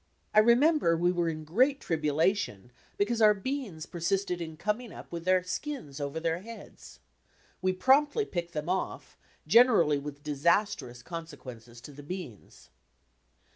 I remember we were in great iribula ^«' .,™.,Google don because our beans penisted in coming up with their skins over their heads. We promptly picked them ofi", gener ally with disastrous consequences to the beans.